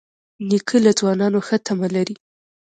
نیکه له ځوانانو ښه تمه لري.